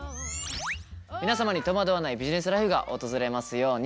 皆様に戸惑わないビジネスライフが訪れますように。